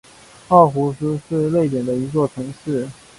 奥胡斯是瑞典的一座城市。